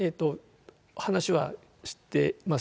話は知ってます。